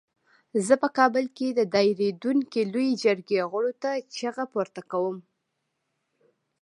زه په کابل کې د دایریدونکې لویې جرګې غړو ته چیغه پورته کوم.